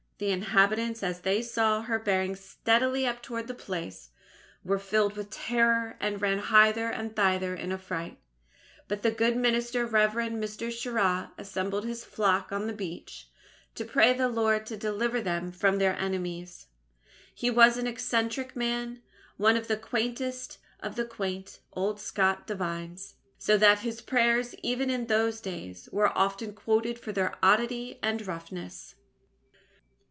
The inhabitants, as they saw her bearing steadily up towards the place, were filled with terror, and ran hither and thither in affright; but the good minister, Rev. Mr. Shirra, assembled his flock on the beach, to pray the Lord to deliver them from their enemies. He was an eccentric man, one of the quaintest of the quaint old Scot divines, so that his prayers, even in those days, were often quoted for their oddity and roughness.